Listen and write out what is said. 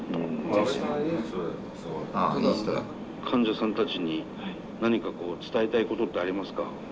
患者さんたちに何か伝えたいことってありますか？